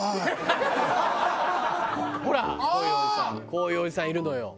こういうおじさんいるのよ。